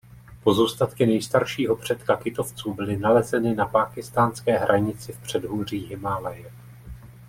Pozůstatky nejstaršího předka kytovců byly nalezeny na pákistánské hranici v předhůří Himálaje.